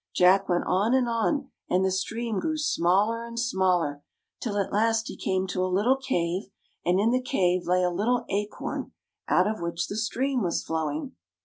Jack went on and on, and the stream grew smaller and smaller, till at last he came to a little cave, and in the cave lay a little acorn, out of which the stream was flowing.